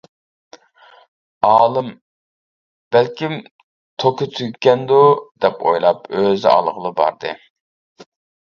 ئالىم ‹ ‹بەلكىم توكى تۈگىگەندۇ› › دەپ ئويلاپ ئۆزى ئالغىلى باردى.